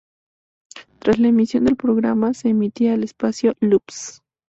Tras la emisión del programa, se emitía el espacio "Loops!